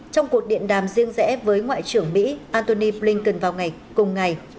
trong cuộc điện đàm riêng rẽ với ngoại trưởng mỹ antony blinken vào ngày cùng ngày